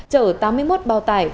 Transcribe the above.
chở tám mươi một bao tải